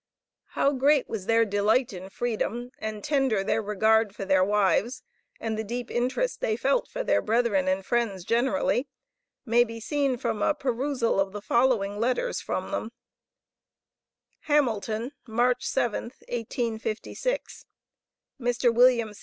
How great was their delight in freedom, and tender their regard for their wives, and the deep interest they felt for their brethren and friends generally, may be seen from a perusal of the following letters from them: HAMELTON, March 7th 1856. MR. WM.